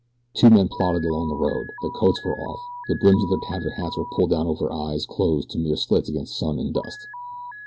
Two men plodded along the road. Their coats were off, the brims of their tattered hats were pulled down over eyes closed to mere slits against sun and dust.